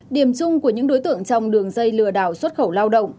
điểm chung của những đối tượng trong đường dây lừa đảo xuất khẩu lao động